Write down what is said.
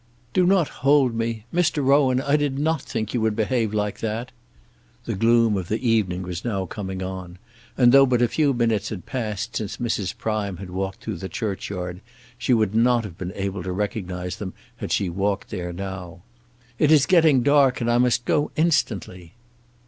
"Do not hold me. Mr. Rowan I did not think you would behave like that." The gloom of the evening was now coming on, and though but a few minutes had passed since Mrs. Prime had walked through the churchyard, she would not have been able to recognize them had she walked there now. "It is getting dark, and I must go instantly."